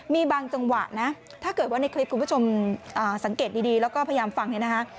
มีบางจังหวะนะถ้าเกิดว่าในคลิปคุณผู้ชมสังเกตดีแล้วก็พยายามฟังเนี่ยนะคะ